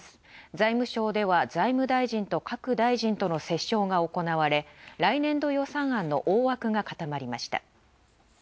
財務省では財務大臣と各大臣との折衝が行われ、来年度予算案の大枠が固まりました。